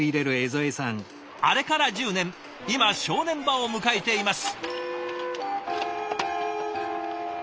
あれから１０年今正念場を迎えています。